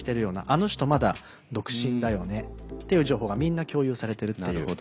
あの人まだ独身だよねっていう情報がみんな共有されてるっていう。